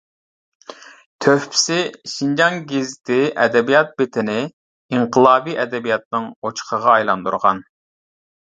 تۆھپىسى: شىنجاڭ گېزىتى ئەدەبىيات بېتىنى ئىنقىلابىي ئەدەبىياتنىڭ ئوچىقىغا ئايلاندۇرغان.